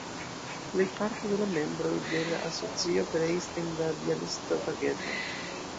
Plejparto de la membroj de la asocio pereis en la bjalistoka geto.